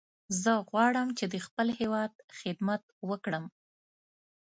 زه غواړم چې د خپل هیواد خدمت وکړم.